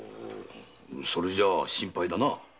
それじゃ心配だな。